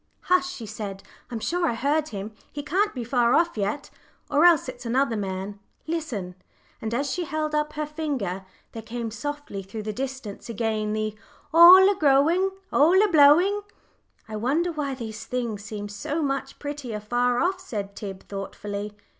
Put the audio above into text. "Hush!" she said; "I'm sure I heard him. He can't be far off yet, or else it's another man. Listen." And as she held up her finger there came softly through the distance again the "All a growing, all a blowing." "I wonder why things seem so much prettier far off," said Tib, thoughtfully.